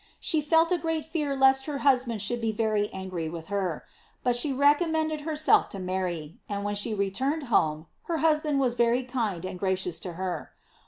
She felt a great fear lest her hus band should be very angry with her ; but she recommended herself to Mary, and when she re turned home, her husband was very kind and gracious to her.